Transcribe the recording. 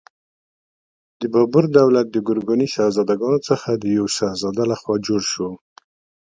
د بابر دولت د ګورکاني شهزادګانو څخه د یوه شهزاده لخوا جوړ شو.